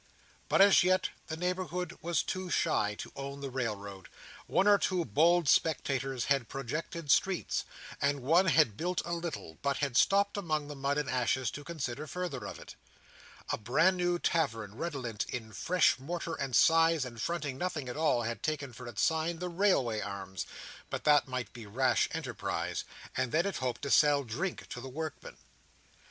But as yet, the neighbourhood was shy to own the Railroad. One or two bold speculators had projected streets; and one had built a little, but had stopped among the mud and ashes to consider farther of it. A bran new Tavern, redolent of fresh mortar and size, and fronting nothing at all, had taken for its sign The Railway Arms; but that might be rash enterprise—and then it hoped to sell drink to the workmen.